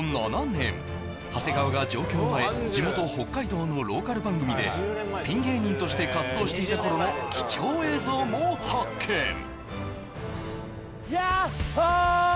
７年長谷川が上京前地元北海道のローカル番組でピン芸人として活動していた頃の貴重映像も発見ヤッホ！